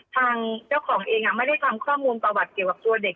ทางเจ้าของเองไม่ได้ทำข้อมูลประวัติเกี่ยวกับตัวเด็ก